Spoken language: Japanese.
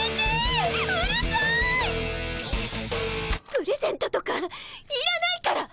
プレゼントとかいらないから！